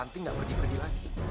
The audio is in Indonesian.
nanti nggak pergi pergi lagi